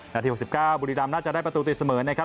นาที๖๙บุรีรำน่าจะได้ประตูติดเสมอนะครับ